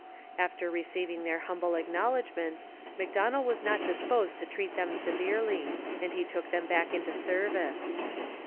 After receiving their humble acknowledgments Macdonell was not disposed to treat them severely, and he took them back into service.